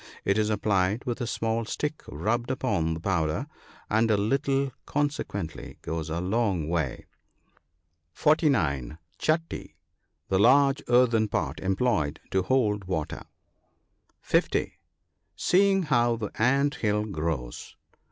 It is applied with a small stick rubbed upon the powder, and a little consequently goes a long way. (49 ) Chatty. — The large earthen pot employed to hold water. (50.) Seeing how the ant hill grows.